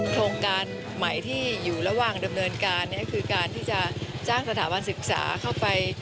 โครงการใหม่ที่อยู่ระหว่างดำเนินการคือการที่จะจ้างสถาบันศึกษาเข้าไป